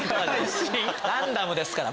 ランダムですから。